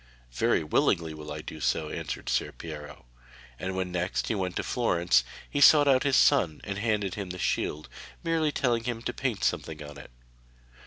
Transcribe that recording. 'Very willingly will I do so,' answered Ser Piero, and when next he went to Florence he sought out his son and handed him the shield, merely telling him to paint something on it.